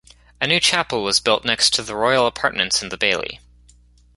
A new chapel was built next to the Royal apartments in the bailey.